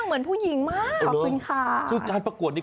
เหมือนผู้หญิงมากขอบคุณค่ะคือการประกวดนี้